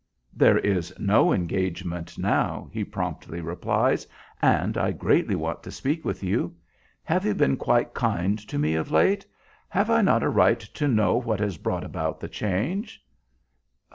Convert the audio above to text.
"There is no engagement now," he promptly replies; "and I greatly want to speak with you. Have you been quite kind to me of late? Have I not a right to know what has brought about the change?"